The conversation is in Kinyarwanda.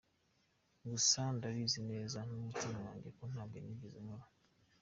Gusa ndabizi neza n’umutima wanjye ko ntabyo nigeze nkora.